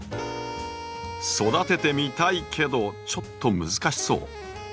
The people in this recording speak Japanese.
「育ててみたいけどちょっと難しそう」。